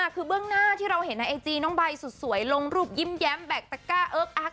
คือเบื้องหน้าที่เราเห็นในไอจีน้องใบสุดสวยลงรูปยิ้มแย้มแบกตะก้าเอิ๊กอัก